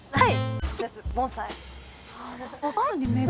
はい。